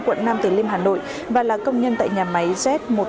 quận nam tử liêm hà nội và là công nhân tại nhà máy z một trăm năm mươi ba